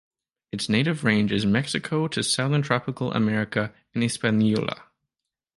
Its native range is Mexico to southern Tropical America and Hispaniola.